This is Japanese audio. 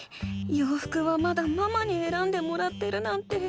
ようふくはまだママにえらんでもらってるなんて。